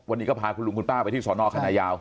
วันนี้ก็พาคุณลุงคุณป้าไปที่สอนอคณะยาว